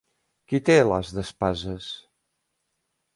Qui té l'as d'espases?